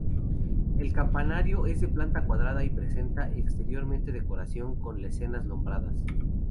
El campanario es de planta cuadrada y presenta exteriormente decoración con lesenas lombardas.